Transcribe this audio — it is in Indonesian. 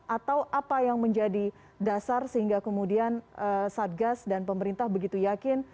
atau apa yang menjadi dasar sehingga kemudian satgas dan pemerintah begitu yakin